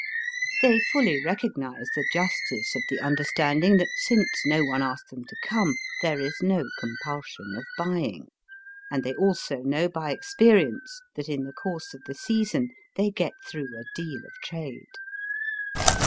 They fully recognize the justice of the understanding that since no one asked them to come there is no compulsion of buying, and Digitized by VjOOQIC 268 EAST BY WEST*. they also know by experience that in thd course of the season they get through a deal of trade.